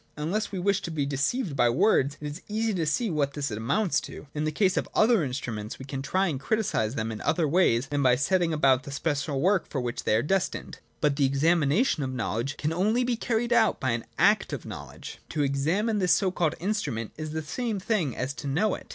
Unless we wish to be deceived by words, it is easy to see what this amounts to. In the case of other instruments, we can try and criticise them in other ways than by setting about the special work for which they are destined. But the examination of knowledge can only be carried out by an act of know ledge. To examine this so called instrument is the same thing as to know it.